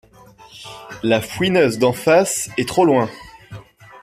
La fouineuse d’en face est trop loin.